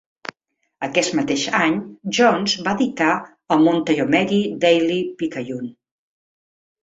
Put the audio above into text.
Aquest mateix any Jones va editar el Montayomery Daily Picayune.